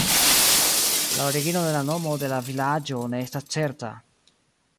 La origino de la nomo de la vilaĝo ne estas certa.